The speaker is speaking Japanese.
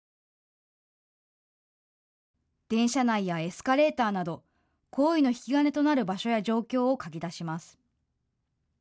電車内やエスカレーターなど行為の引き金となる場所や状況を書き出します。